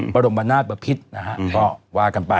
บรมนาศบพิษนะฮะก็ว่ากันไป